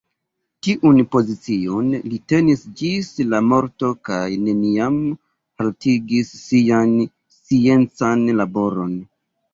Tiun pozicion li tenis ĝis lia morto kaj neniam haltigis sian sciencan laboron.